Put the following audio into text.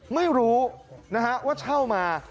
ไม่รู้นะฮะว่าเช่ามา